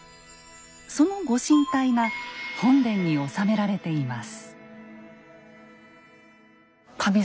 そのご神体が本殿に納められています。